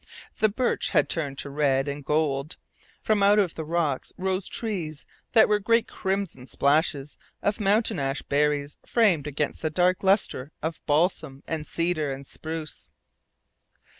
The birch had turned to red and gold. From out of the rocks rose trees that were great crimson splashes of mountain ash berries framed against the dark lustre of balsam and cedar and spruce.